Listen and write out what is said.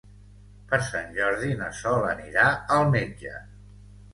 Per Sant Jordi na Sol anirà al metge.